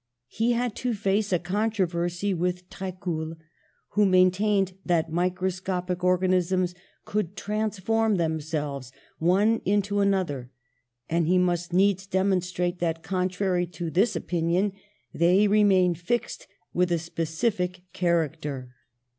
Pie had to face a controversy with Trecul, who maintained that microscopic or ganisms could transform themselves, one into another, and he must needs demonstrate that, contrary to this opinion, they remained fixed and with a specific character.